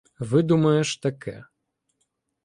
— Видумаєш таке.